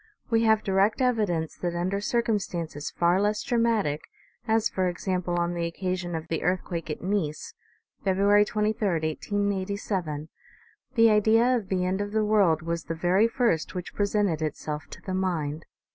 We have direct evidence that under circumstances far less dramatic, as for example on the occasion of the earthquake at Nice, February 23, 1887, the idea of the end of the world was the very first which presented itself to the mind.